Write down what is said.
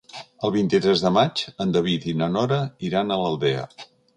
El vint-i-tres de maig en David i na Nora iran a l'Aldea.